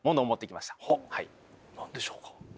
何でしょうか？